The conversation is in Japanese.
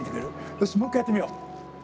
よしもう一回やってみよう。